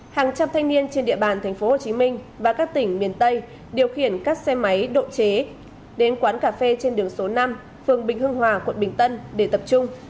hàng trăm thanh niên trên địa bàn tp hcm và các tỉnh miền tây điều khiển các xe máy độ chế đến quán cà phê trên đường số năm phường bình hưng hòa quận bình tân để tập trung